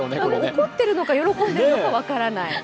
怒ってるのか、喜んでいるのか分からない。